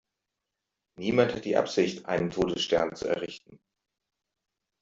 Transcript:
Niemand hat die Absicht, einen Todesstern zu errichten!